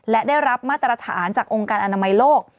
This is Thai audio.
และได้รับมาตรฐานจากองค์การอนามัยโลก